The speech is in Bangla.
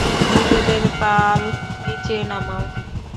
নিজেদের পাল নীচে নামাও!